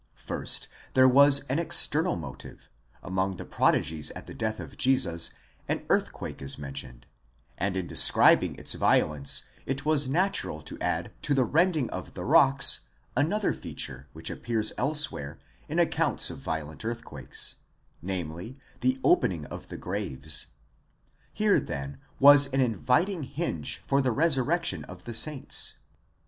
First there was an external motive: among the prodigies at the death of Jesus an earthquake is mentioned, and in describing its violence it was natural to add to the rending of the rocks another feature which appears else where in accounts of violent earthquakes,"® namely, the opening of the graves : here then was an inviting hinge for the resurrection of the saints.